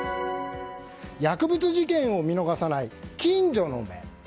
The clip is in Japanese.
薬物事件を見逃さない近所の目。